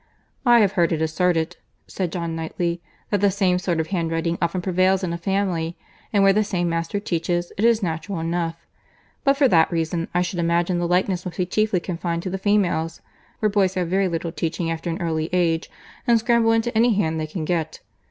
"I have heard it asserted," said John Knightley, "that the same sort of handwriting often prevails in a family; and where the same master teaches, it is natural enough. But for that reason, I should imagine the likeness must be chiefly confined to the females, for boys have very little teaching after an early age, and scramble into any hand they can get.